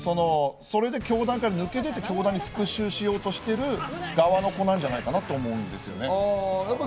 それで教団から抜け出て教団に復讐しようとしてる側の子なんじゃないかなと思うんですね。